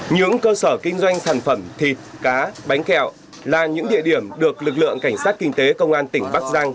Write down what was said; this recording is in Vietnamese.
những cơ sở kinh doanh sản phẩm thịt cá bánh kẹo là những địa điểm được lực lượng cảnh sát kinh tế công an tỉnh bắc giang